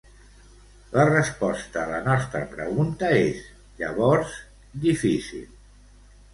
La resposta a la nostra pregunta és, llavors, difícil.